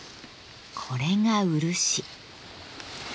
これが漆。